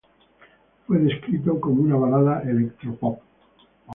Fue descripto como una balada electropop.